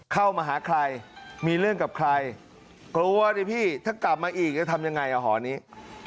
เข้ามาหาใครมีเรื่องกับใครกลัวดิพี่ถ้ากลับมาอีกจะทำยังไงอ่ะหอนี้